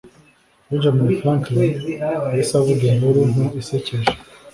Benjamin Franklin yahise avuga inkuru nto isekeje.